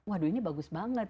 waduh ini bagus banget